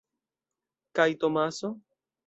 Kaj Tomaso?